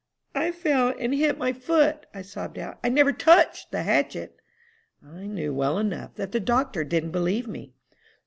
'" "'I fell and hit my foot,' I sobbed out. 'I never touched the hatchet!'" "I knew well enough that the doctor didn't believe me."